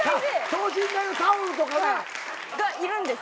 等身大のタオルとかが。がいるんです。